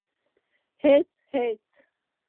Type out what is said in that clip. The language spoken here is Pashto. _هېڅ ، هېڅ.